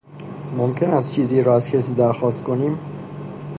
ممکن است چیزی را از کسی درخواست کنیم